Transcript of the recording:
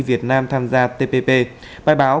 việt nam tham gia tpp bài báo